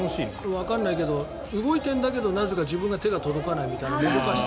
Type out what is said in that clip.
わからないけど動いてるんだけどなぜか自分が手が届かないというもどかしさ。